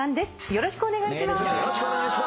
よろしくお願いします。